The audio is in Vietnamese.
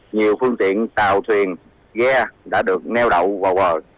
nhiều phương tiện tàu thuyền ghe đã được neo đậu vào bờ